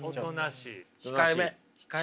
控えめ。